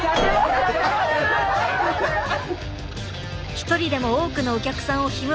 一人でも多くのお客さんをひむ